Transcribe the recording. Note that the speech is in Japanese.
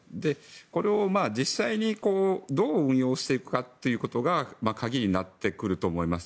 これを実際にどう運用していくかということが鍵になってくると思います。